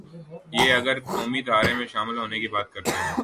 یہ اگر قومی دھارے میں شامل ہونے کی بات کرتے ہیں۔